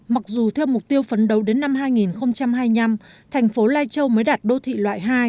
mặc dù theo mục tiêu phấn đấu đến năm hai nghìn hai mươi năm thành phố lai châu mới đạt đô thị loại hai